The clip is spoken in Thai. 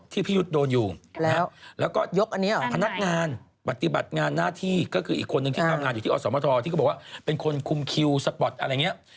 พี่ยุทธ์โดนอยู่แล้วแล้วก็ยกพนักงานปฏิบัติงานหน้าที่ก็คืออีกคนนึงที่ทำงานอยู่ที่อสมทรที่เขาบอกว่าเป็นคนคุมคิวสปอร์ตอะไรอย่างนี้